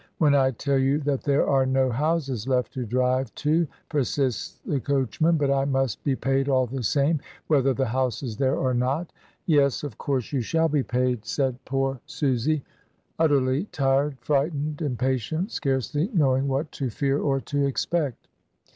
"When I tell you that there are no houses left to drive tol" persists the coachman, "but I must be paid all the same, whether the house is there or not" "Yes, of course you shall be paid," said poor THREE MILES ALONG THE ROAD. I 7 I Susy, Utterly tired, frightened, impatient, scarcely knowing what to fear or to expect.